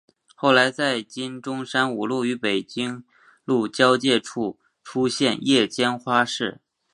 后来在今中山五路与北京路交界处出现夜间花市。